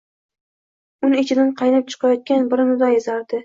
Uni ichidan qaynab chiqayotgan bir nido ezardi: